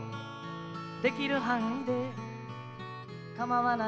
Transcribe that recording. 「出来る範囲でかまわないから」